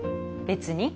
別に。